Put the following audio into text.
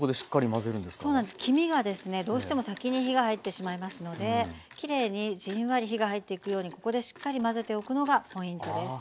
黄身がですねどうしても先に火が入ってしまいますのできれいにじんわり火が入っていくようにここでしっかり混ぜておくのがポイントです。